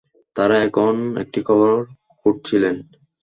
তারা তখন একটি কবর খুঁড়ছিলেন।